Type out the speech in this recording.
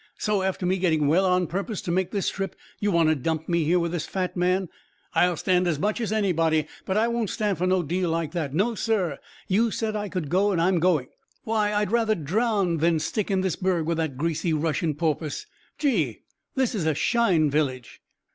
"So, after me getting well on purpose to make this trip, you want to dump me here with this fat man. I'll stand as much as anybody, but I won't stand for no deal like that. No, sir! You said I could go, and I'm going. Why, I'd rather drown than stick in this burgh with that greasy Russian porpoise. Gee! this is a shine village."